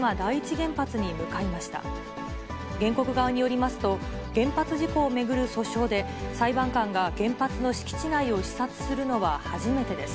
原告側によりますと、原発事故を巡る訴訟で、裁判官が原発の敷地内を視察するのは初めてです。